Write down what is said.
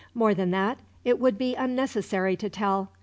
More than that, it would be unnecessary to tell.